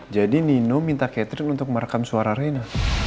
jadi nino minta catherine untuk merekam suara rena